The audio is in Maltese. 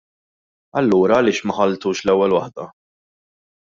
Allura għaliex ma ħalltux l-ewwel waħda?